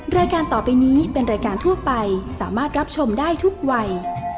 รายการต่อไปนี้เป็นรายการทั่วไปสามารถรับชมได้ทุกวัย